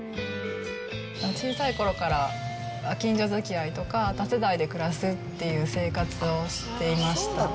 小さいころから近所づきあいとか、多世代で暮らすっていう生活をしていました。